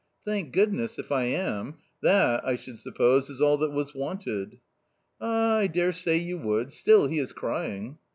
" Thank goodness, if I am ; that, I should suppose, is all that was wanted." " Ah, I dare say you would, still he is crying."